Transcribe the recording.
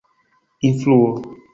influo